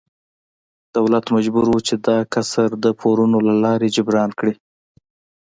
دولت مجبور و چې دا کسر د پورونو له لارې جبران کړي.